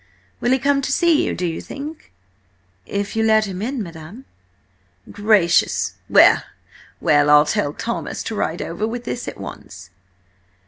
Will he come to see you, do you think?" "If you let him in, madam!" "Gracious! Well, well! I'll tell Thomas to ride over with this at once."